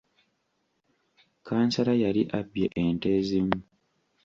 Kansala yali abbye ente ezimu.